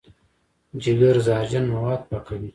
جګر زهرجن مواد پاکوي.